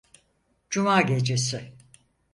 Cuma gecesi.